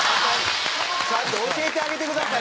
ちゃんと教えてあげてください！